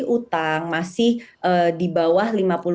hutang masih di bawah